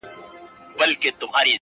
• د سپي دا وصیت مي هم پوره کومه..